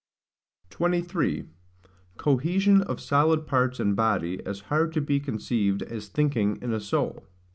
23. Cohesion of solid Parts in Body as hard to be conceived as thinking in a Soul.